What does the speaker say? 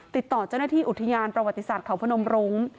ติดต่อเจ้าหน้าที่อุทยานประวัติศาสตร์เขาพนมรุ้ง